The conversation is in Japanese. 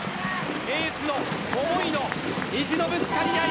エースの思いの意地のぶつかり合い。